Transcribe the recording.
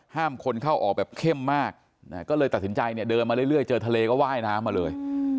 คนเข้าออกแบบเข้มมากก็เลยตัดสินใจเนี่ยเดินมาเรื่อยเจอทะเลก็ว่ายน้ำมาเลย